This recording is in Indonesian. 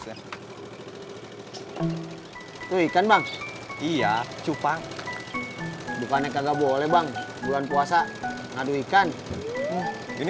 tuh ikan bang iya cupang bukannya kagak boleh bang bulan puasa ngadu ikan ini